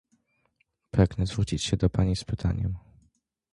Pragnę zwrócić się do Pani z pytaniem